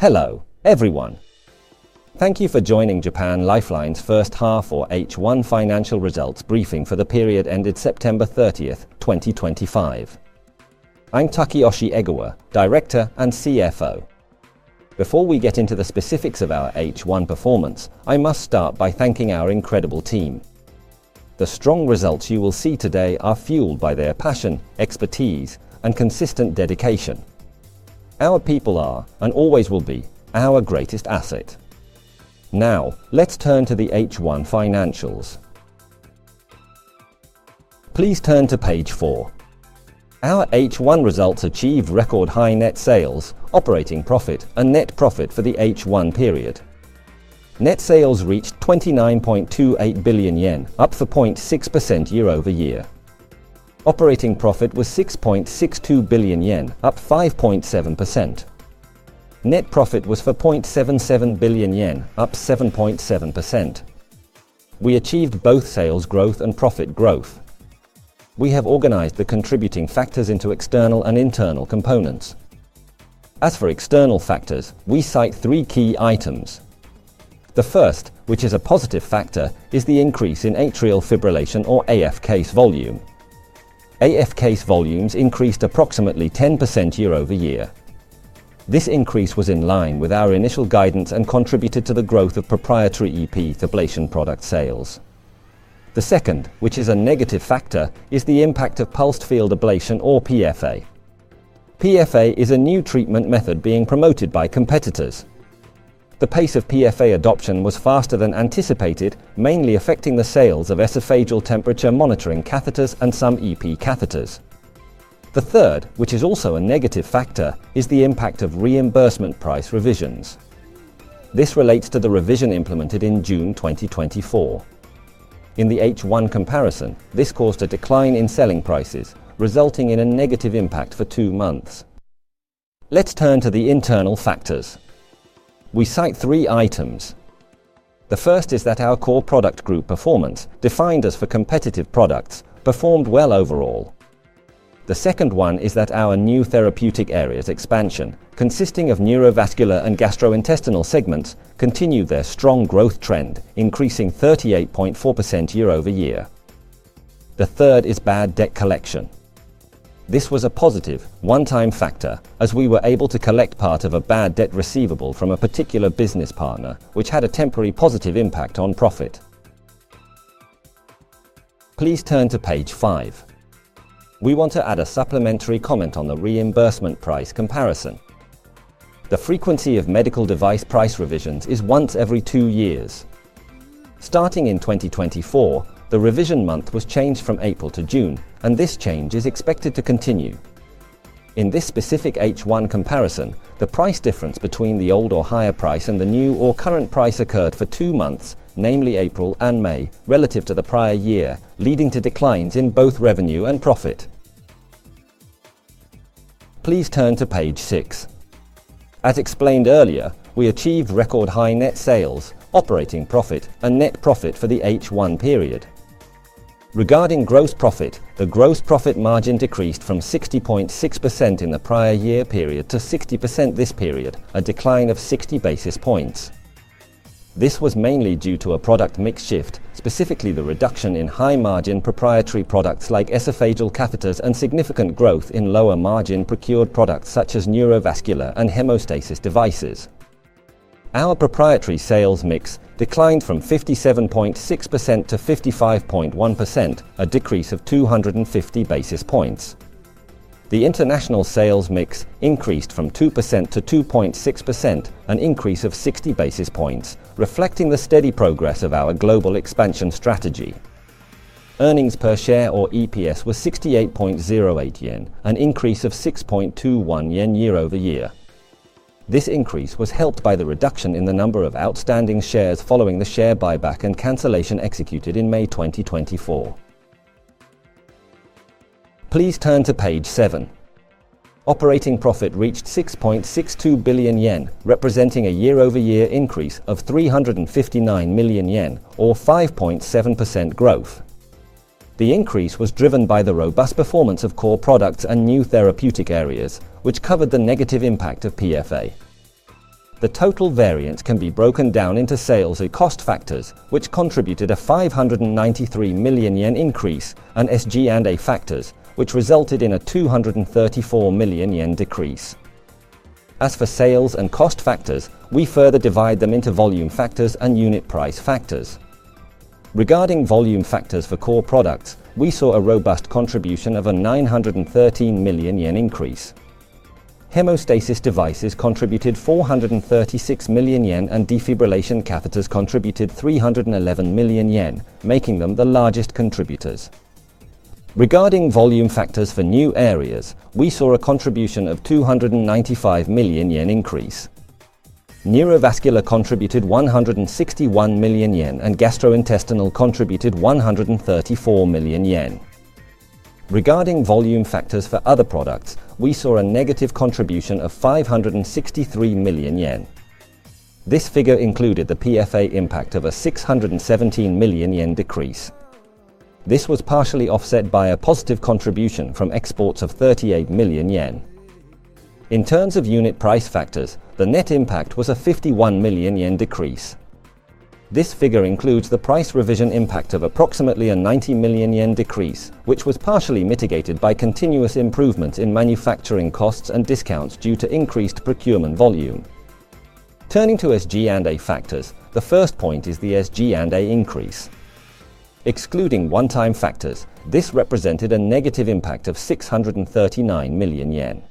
Hello, everyone. Thank you for joining Japan Lifeline's first half or H1 financial results briefing for the period ended September 30, 2025. I'm Takeyoshi Egawa, Director and CFO. Before we get into the specifics of our H1 performance, I must start by thanking our incredible team. The strong results you will see today are fueled by their passion, expertise, and consistent dedication. Our people are, and always will be, our greatest asset. Now, let's turn to the H1 financials. Please turn to page 4. Our H1 results achieved record-high net sales, operating profit, and net profit for the H1 period. Net sales reached 29.28 billion yen, up 4.6% year-over-year. Operating profit was 6.62 billion yen, up 5.7%. Net profit was 4.77 billion yen, up 7.7%. We achieved both sales growth and profit growth. We have organized the contributing factors into external and internal components. As for external factors, we cite three key items. The first, which is a positive factor, is the increase in atrial fibrillation or AF cases volume. AF cases volumes increased approximately 10% year-over-year. This increase was in line with our initial guidance and contributed to the growth of proprietary EP ablation product sales. The second, which is a negative factor, is the impact of pulsed field ablation or PFA. PFA is a new treatment method being promoted by competitors. The pace of PFA adoption was faster than anticipated, mainly affecting the sales of esophageal temperature monitoring catheters and some EP catheters. The third, which is also a negative factor, is the impact of reimbursement price revisions. This relates to the revision implemented in June 2024. In the H1 comparison, this caused a decline in selling prices, resulting in a negative impact for two months. Let's turn to the internal factors. We cite three items. The first is that our core product group performance, defined as for competitive products, performed well overall. The second one is that our new therapeutic areas' expansion, consisting of neurovascular and gastrointestinal segments, continued their strong growth trend, increasing 38.4% year-over-year. The third is bad debt collection. This was a positive, one-time factor, as we were able to collect part of a bad debt receivable from a particular business partner, which had a temporary positive impact on profit. Please turn to page 5. We want to add a supplementary comment on the reimbursement price comparison. The frequency of medical device price revisions is once every two years. Starting in 2024, the revision month was changed from April to June, and this change is expected to continue. In this specific H1 comparison, the price difference between the old or higher price and the new or current price occurred for two months, namely April and May, relative to the prior year, leading to declines in both revenue and profit. Please turn to page 6. As explained earlier, we achieved record-high net sales, operating profit, and net profit for the H1 period. Regarding gross profit, the gross profit margin decreased from 60.6% in the prior year period to 60% this period, a decline of 60 basis points. This was mainly due to a product mix shift, specifically the reduction in high-margin proprietary products like esophageal catheters and significant growth in lower-margin procured products such as neurovascular and hemostasis devices. Our proprietary sales mix declined from 57.6% to 55.1%, a decrease of 250 basis points. The international sales mix increased from 2% to 2.6%, an increase of 60 basis points, reflecting the steady progress of our global expansion strategy. Earnings per share or EPS was 68.08 yen, an increase of 6.21 yen year-over-year. This increase was helped by the reduction in the number of outstanding shares following the share buyback and cancellation executed in May 2024. Please turn to page 7. Operating profit reached 6.62 billion yen, representing a year-over-year increase of 359 million yen, or 5.7% growth. The increase was driven by the robust performance of core products and new therapeutic areas, which covered the negative impact of PFA. The total variance can be broken down into sales and cost factors, which contributed a 593 million yen increase, and SG&A factors, which resulted in a 234 million yen decrease. As for sales and cost factors, we further divide them into volume factors and unit price factors. Regarding volume factors for core products, we saw a robust contribution of a 913 million yen increase. Hemostasis devices contributed 436 million yen, and defibrillation catheters contributed 311 million yen, making them the largest contributors. Regarding volume factors for new areas, we saw a contribution of 295 million yen increase. Neurovascular contributed 161 million yen, and gastrointestinal contributed 134 million yen. Regarding volume factors for other products, we saw a negative contribution of 563 million yen. This figure included the PFA impact of a 617 million yen decrease. This was partially offset by a positive contribution from exports of 38 million yen. In terms of unit price factors, the net impact was a 51 million yen decrease. This figure includes the price revision impact of approximately 90 million yen decrease, which was partially mitigated by continuous improvements in manufacturing costs and discounts due to increased procurement volume. Turning to SG&A factors, the first point is the SG&A increase. Excluding one-time factors, this represented a negative impact of 639 million yen.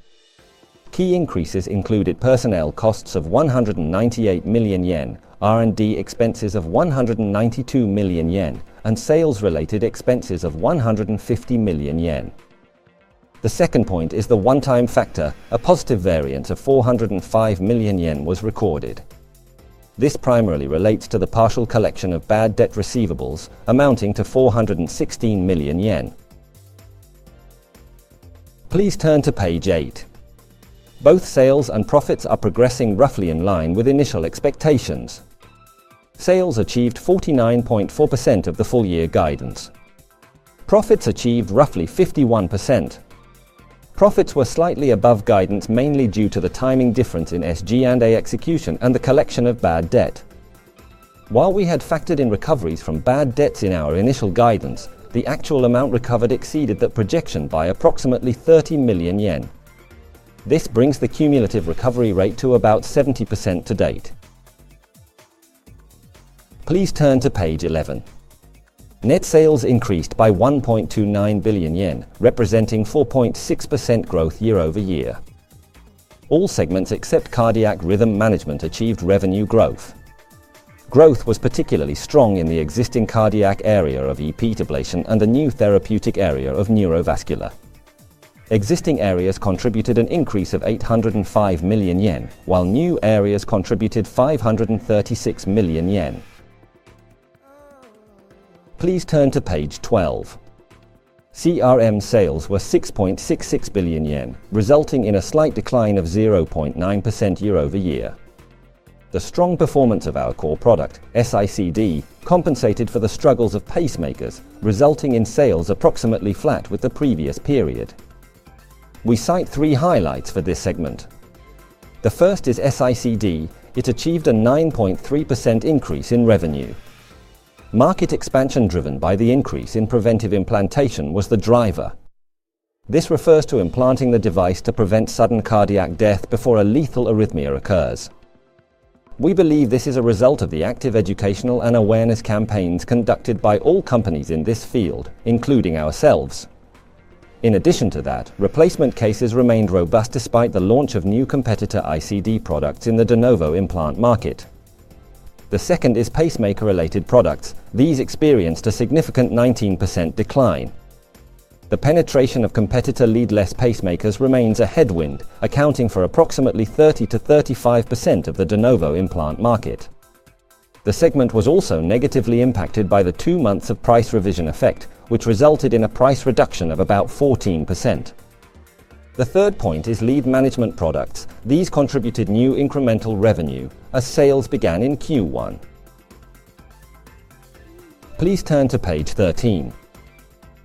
Key increases included personnel costs of 198 million yen, R&D expenses of 192 million yen, and sales-related expenses of 150 million yen. The second point is the one-time factor, a positive variance of 405 million yen was recorded. This primarily relates to the partial collection of bad debt receivables, amounting to 416 million yen. Please turn to page 8. Both sales and profits are progressing roughly in line with initial expectations. Sales achieved 49.4% of the full-year guidance. Profits achieved roughly 51%. Profits were slightly above guidance, mainly due to the timing difference in SG&A execution and the collection of bad debt. While we had factored in recoveries from bad debts in our initial guidance, the actual amount recovered exceeded that projection by approximately 30 million yen. This brings the cumulative recovery rate to about 70% to date. Please turn to page 11. Net sales increased by 1.29 billion yen, representing 4.6% growth year-over-year. All segments except cardiac rhythm management achieved revenue growth. Growth was particularly strong in the existing cardiac area of EP ablation and the new therapeutic area of neurovascular. Existing areas contributed an increase of 805 million yen, while new areas contributed 536 million yen. Please turn to page 12. CRM sales were 6.66 billion yen, resulting in a slight decline of 0.9% year-over-year. The strong performance of our core product, S-ICD, compensated for the struggles of pacemakers, resulting in sales approximately flat with the previous period. We cite three highlights for this segment. The first is S-ICD. It achieved a 9.3% increase in revenue. Market expansion driven by the increase in preventive implantation was the driver. This refers to implanting the device to prevent sudden cardiac death before a lethal arrhythmia occurs. We believe this is a result of the active educational and awareness campaigns conducted by all companies in this field, including ourselves. In addition to that, replacement cases remained robust despite the launch of new competitor ICD products in the de novo implant market. The second is pacemaker-related products. These experienced a significant 19% decline. The penetration of competitor leadless pacemakers remains a headwind, accounting for approximately 30%-35% of the de novo implant market. The segment was also negatively impacted by the two months of price revision effect, which resulted in a price reduction of about 14%. The third point is lead management products. These contributed new incremental revenue, as sales began in Q1. Please turn to page 13.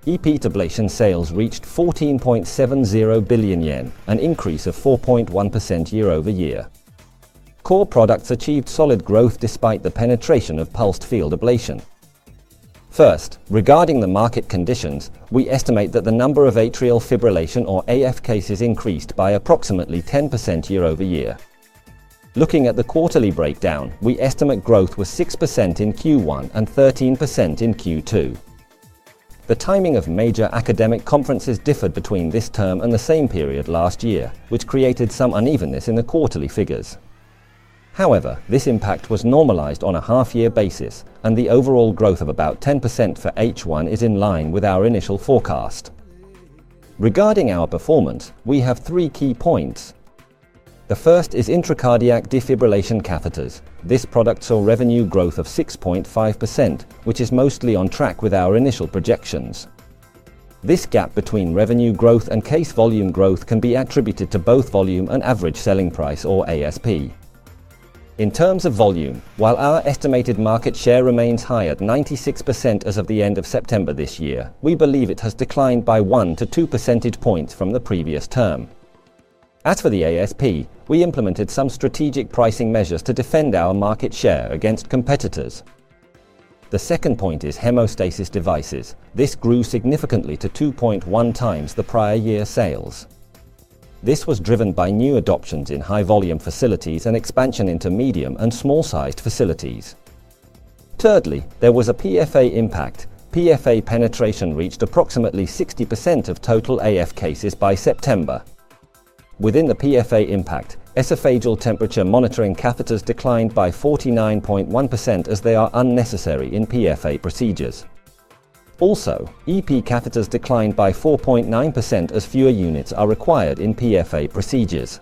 EP ablation sales reached 14.70 billion yen, an increase of 4.1% year-over-year. Core products achieved solid growth despite the penetration of pulsed field ablation. First, regarding the market conditions, we estimate that the number of atrial fibrillation or AF cases has increased by approximately 10% year-over-year. Looking at the quarterly breakdown, we estimate growth was 6% in Q1 and 13% in Q2. The timing of major academic conferences differed between this term and the same period last year, which created some unevenness in the quarterly figures. However, this impact was normalized on a half-year basis, and the overall growth of about 10% for H1 is in line with our initial forecast. Regarding our performance, we have three key points. The first is intracardiac defibrillation catheters. This product saw revenue growth of 6.5%, which is mostly on track with our initial projections. This gap between revenue growth and case volume growth can be attributed to both volume and average selling price or ASP. In terms of volume, while our estimated market share remains high at 96% as of the end of September this year, we believe it has declined by 1 percentage point-2 percentage points from the previous term. As for the ASP, we implemented some strategic pricing measures to defend our market share against competitors. The second point is hemostasis devices. This grew significantly to 2.1 times the prior year's sales. This was driven by new adoptions in high-volume facilities and expansion into medium and small-sized facilities. Thirdly, there was a PFA impact. PFA penetration reached approximately 60% of total AF cases by September. Within the PFA impact, esophageal temperature monitoring catheters declined by 49.1% as they are unnecessary in PFA procedures. Also, EP catheters declined by 4.9% as fewer units are required in PFA procedures.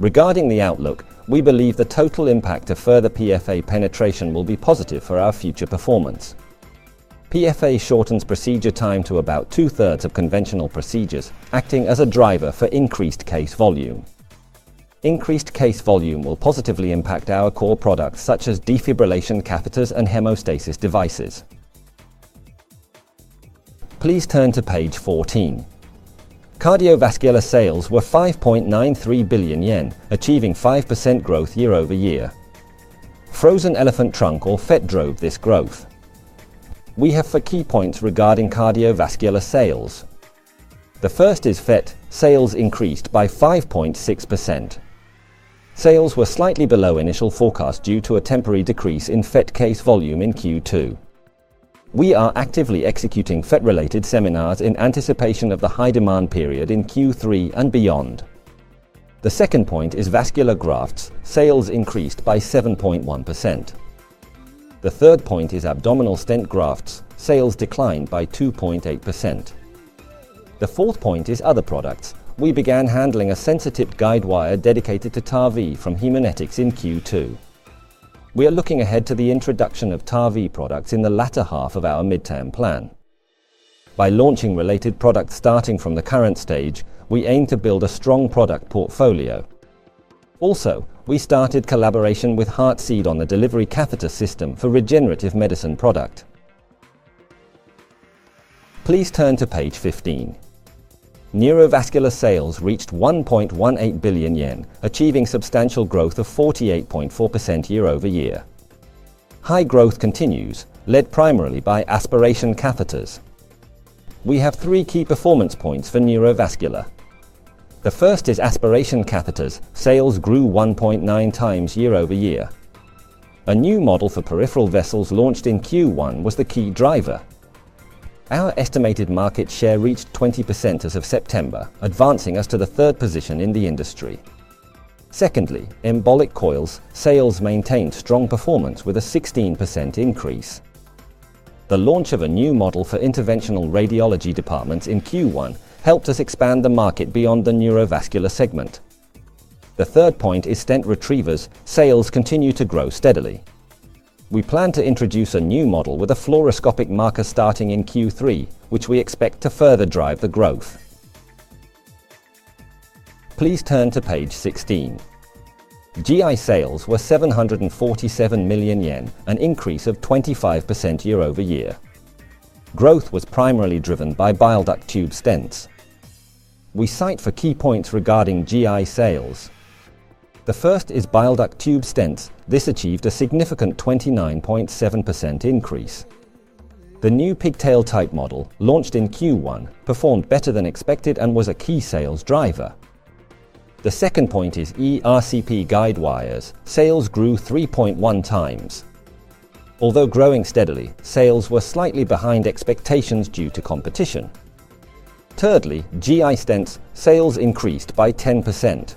Regarding the outlook, we believe the total impact of further PFA penetration will be positive for our future performance. PFA shortens procedure time to about two-thirds of conventional procedures, acting as a driver for increased case volume. Increased case volume will positively impact our core products such as defibrillation catheters and hemostasis devices. Please turn to page 14. Cardiovascular sales were 5.93 billion yen, achieving 5% growth year-over-year. Frozen elephant trunk or FET drove this growth. We have four key points regarding cardiovascular sales. The first is FET. Sales increased by 5.6%. Sales were slightly below initial forecast due to a temporary decrease in FET case volume in Q2. We are actively executing FET-related seminars in anticipation of the high-demand period in Q3 and beyond. The second point is vascular grafts. Sales increased by 7.1%. The third point is abdominal stent grafts. Sales declined by 2.8%. The fourth point is other products. We began handling a sensor-tipped guidewire dedicated to TAVI from Haemonetics in Q2. We are looking ahead to the introduction of TAVI products in the latter half of our midterm plan. By launching related products starting from the current stage, we aim to build a strong product portfolio. Also, we started collaboration with Heartseed on the delivery catheter system for regenerative medicine product. Please turn to page 15. Neurovascular sales reached 1.18 billion yen, achieving substantial growth of 48.4% year-over-year. High growth continues, led primarily by aspiration catheters. We have three key performance points for neurovascular. The first is aspiration catheters. Sales grew 1.9 times year-over-year. A new model for peripheral vessels launched in Q1 was the key driver. Our estimated market share reached 20% as of September, advancing us to the third position in the industry. Secondly, embolic coils. Sales maintained strong performance with a 16% increase. The launch of a new model for interventional radiology departments in Q1 helped us expand the market beyond the neurovascular segment. The third point is stent retrievers. Sales continue to grow steadily. We plan to introduce a new model with a fluoroscopic marker starting in Q3, which we expect to further drive the growth. Please turn to page 16. GI sales were 747 million yen, an increase of 25% year-over-year. Growth was primarily driven by bile duct tube stents. We cite four key points regarding GI sales. The first is bile duct tube stents. This achieved a significant 29.7% increase. The new pigtail-type model, launched in Q1, performed better than expected and was a key sales driver. The second point is ERCP guidewires. Sales grew 3.1 times. Although growing steadily, sales were slightly behind expectations due to competition. Thirdly, GI stents. Sales increased by 10%.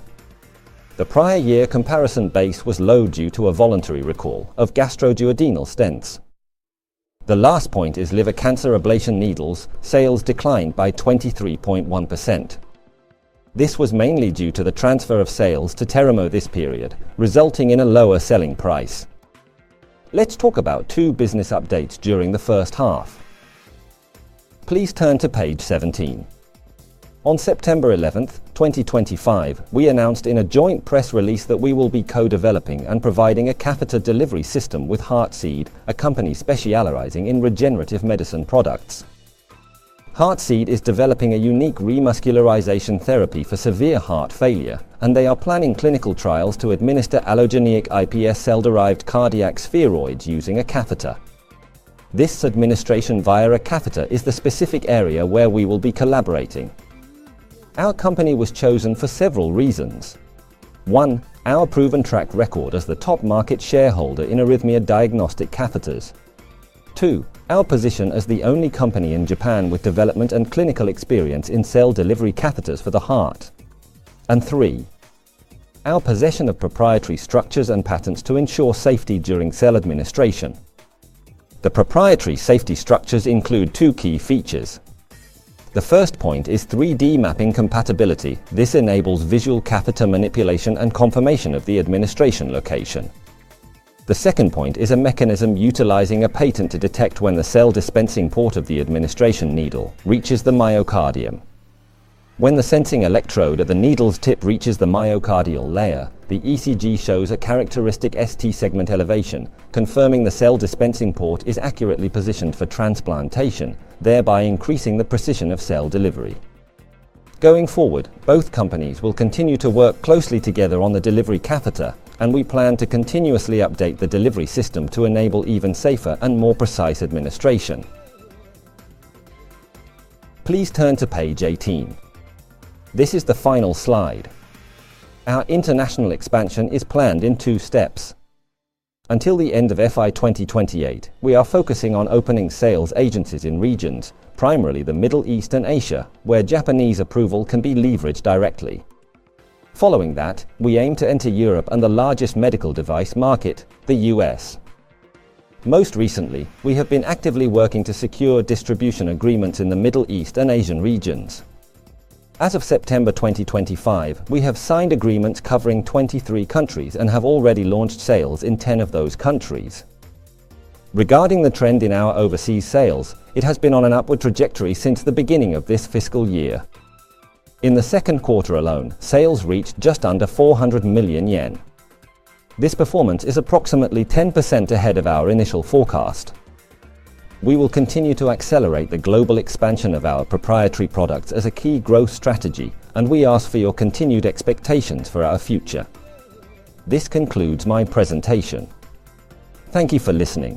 The prior year comparison base was low due to a voluntary recall of gastroduodenal stents. The last point is liver cancer ablation needles. Sales declined by 23.1%. This was mainly due to the transfer of sales to Terumo this period, resulting in a lower selling price. Let's talk about two business updates during the first half. Please turn to page 17. On September 11, 2025, we announced in a joint press release that we will be co-developing and providing a catheter delivery system with Heartseed, a company specializing in regenerative medicine products. Heartseed is developing a unique remuscularization therapy for severe heart failure, and they are planning clinical trials to administer allogeneic iPS cell-derived cardiomyocyte spheroids using a catheter. This administration via a catheter is the specific area where we will be collaborating. Our company was chosen for several reasons: 1) Our proven track record as the top market shareholder in arrhythmia diagnostic catheters; 2) Our position as the only company in Japan with development and clinical experience in cell delivery catheters for the heart; and 3) Our possession of proprietary structures and patents to ensure safety during cell administration. The proprietary safety structures include two key features. The first point is 3D mapping compatibility. This enables visual catheter manipulation and confirmation of the administration location. The second point is a mechanism utilizing a patent to detect when the cell dispensing port of the administration needle reaches the myocardium. When the sensing electrode at the needle's tip reaches the myocardial layer, the ECG shows a characteristic ST segment elevation, confirming the cell dispensing port is accurately positioned for transplantation, thereby increasing the precision of cell delivery. Going forward, both companies will continue to work closely together on the delivery catheter, and we plan to continuously update the delivery system to enable even safer and more precise administration. Please turn to page 18. This is the final slide. Our international expansion is planned in two steps. Until the end of FY 2028, we are focusing on opening sales agencies in regions, primarily the Middle East and Asia, where Japanese approval can be leveraged directly. Following that, we aim to enter Europe and the largest medical device market, the U.S. Most recently, we have been actively working to secure distribution agreements in the Middle East and Asian regions. As of September 2025, we have signed agreements covering 23 countries and have already launched sales in 10 of those countries. Regarding the trend in our overseas sales, it has been on an upward trajectory since the beginning of this fiscal year. In the second quarter alone, sales reached just under 400 million yen. This performance is approximately 10% ahead of our initial forecast. We will continue to accelerate the global expansion of our proprietary products as a key growth strategy, and we ask for your continued expectations for our future. This concludes my presentation. Thank you for listening.